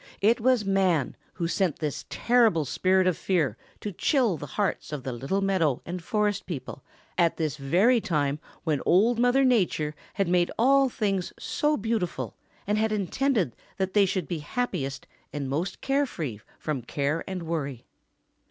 It was man who had sent this terrible Spirit of Fear to chill the hearts of the little meadow and forest people at this very time when Old Mother Nature had made all things so beautiful and had intended that they should be happiest and most free from care and worry.